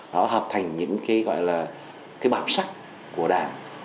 nó hợp thành những cái gọi là cái bảo sách của đảng